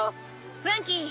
フランキー。